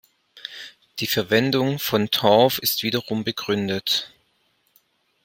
Die Verwendung von Torf ist wiederum begründet.